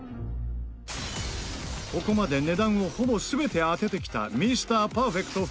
ここまで値段をほぼ全て当ててきたミスターパーフェクト古